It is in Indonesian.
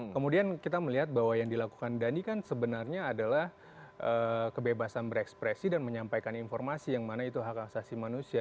kemudian kita melihat bahwa yang dilakukan dandi kan sebenarnya adalah kebebasan berekspresi dan menyampaikan informasi yang mana itu hak asasi manusia